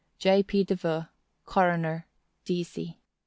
"J. P. DEVEAUX, _Coroner, D. C.